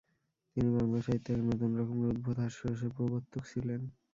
তিনি বাংলা সাহিত্যে এক নতুন রকমের উদ্ভট হাস্যরসের প্রবর্তক ছিলেন।